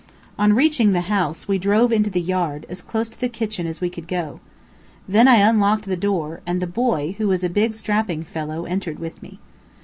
On reaching the house, we drove into the yard as close to the kitchen as we could go. Then I unlocked the door, and the boy who was a big, strapping fellow entered with me.